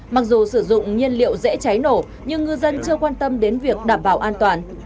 mặc dù sử dụng nhiên liệu dễ cháy nổ nhưng ngư dân chưa quan tâm đến việc đảm bảo an toàn